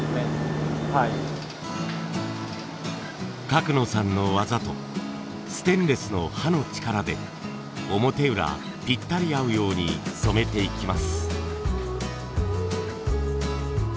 角野さんの技とステンレスの刃の力で表裏ぴったり合うように染めていきます。